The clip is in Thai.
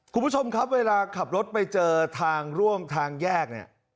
คุณผู้ชมครับเวลาขับรถไปเจอทางร่วมทางแยกเนี่ย